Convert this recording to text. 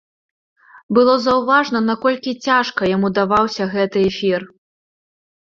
Было заўважна, наколькі цяжка яму даваўся гэты эфір.